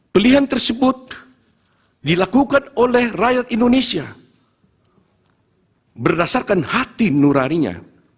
pilihan tersebut dilakukan oleh rakyat indonesia berdasarkan hati nurarinya